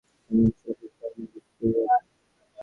তোমার চোখে কালি পড়িয়াছে।